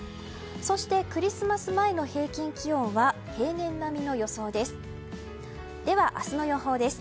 そしてクリスマス前の平均気温は平年並みの予想です。